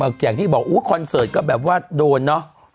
อย่างที่บอกคอนเสิร์ตก็แบบว่าโดนเนอะ